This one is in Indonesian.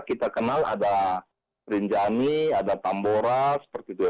kita kenal ada rinjani ada tambora seperti itu ya